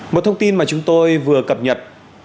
một thông tin mà chúng tôi vừa cập nhật